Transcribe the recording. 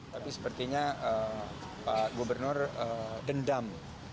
tapi sepertinya pak gubernur dendam